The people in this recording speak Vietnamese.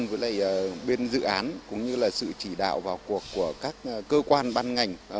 với lại bên dự án cũng như là sự chỉ đạo vào cuộc của các cơ quan ban ngành